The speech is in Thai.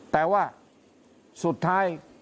แต่ว่าสุดท้าย